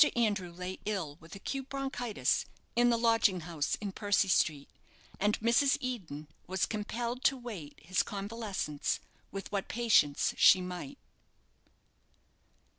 Andrew lay ill with acute bronchitis, in the lodging house in Percy Street, and Mrs. Eden was compelled to wait his convalescence with what patience she might.